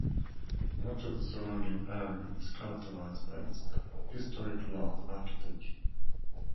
Much of the surrounding area is characterized by its historic loft architecture.